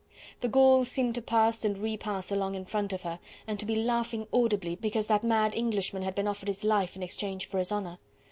The ghouls seemed to pass and repass along in front of her and to be laughing audibly because that mad Englishman had been offered his life in exchange for his honour.